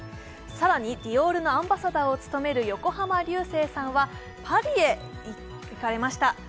更にディオールのアンバサダーを務める横浜流星さんはパリへ行かれました。